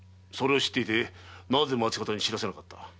それを知っていてなぜ町方に知らせなかった？